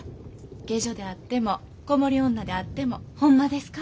下女であっても子守女であっても。ほんまですか？